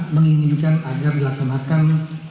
menginginkan agar dilaksanakan